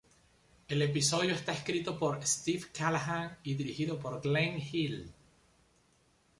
El episodio está escrito por Steve Callaghan y dirigido por Glen Hill.